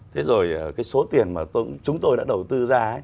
thế rồi cái số tiền mà chúng tôi đã đầu tư ra ấy